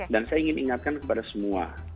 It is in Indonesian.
dan saya ingin ingatkan kepada semua